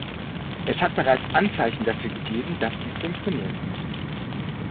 Es hat bereits Anzeichen dafür gegeben, dass dies funktioniert.